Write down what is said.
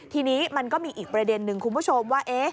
ทีนี้มันก็มีอีกประเด็นนึงคุณผู้ชมว่า